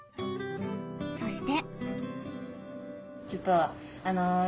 そして。